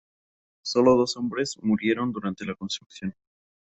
Solo dos hombres murieron durante la construcción.